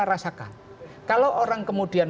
rasakan kalau orang kemudian